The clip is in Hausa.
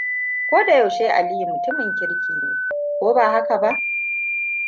Ko da yaushe Aliyu mutumin kirki ne, ko ba haka ba?